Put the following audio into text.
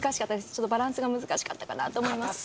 ちょっとバランスが難しかったかなと思います